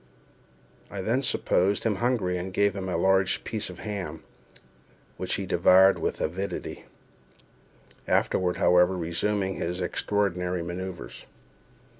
I then supposed him hungry, and gave him a large piece of ham, which he devoured with avidity—afterward, however, resuming his extraordinary manoeuvres.